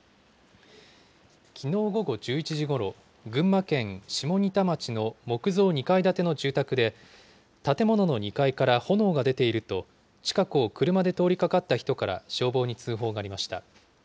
きのう午後１１時ごろ、群馬県下仁田町の木造２階建ての住宅で、建物の２階から炎が出ていると、近くを車で通りかかった人から、消防に通報がありました。